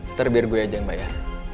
ntar biar gue ajang bayar